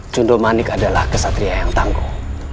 cundomanik adalah kesatria yang tangguh